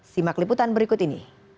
simak liputan berikut ini